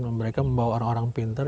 mereka membawa orang orang pinter